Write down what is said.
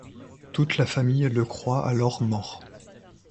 Toute la famille le croit alors mort.